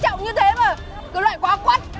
cứ loại quá quắt